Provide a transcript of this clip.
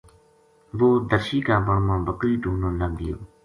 وہ درشی کا بن ما بکری ڈُھونڈن لگ گیو